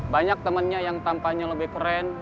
banyak temennya yang tampaknya lebih keren